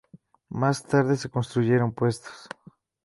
Más tarde se construyeron puestos.